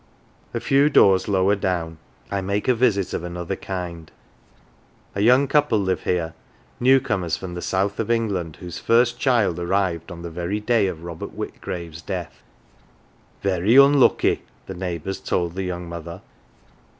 A few doors lower down I make a visit of another kind. A young couple live here, newcomers from the south of England, whose first child arrived on the very day of poor Robert Whitgrave's death. " Very unlucky," the neighbours told the young mother.